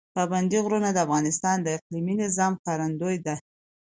پابندی غرونه د افغانستان د اقلیمي نظام ښکارندوی ده.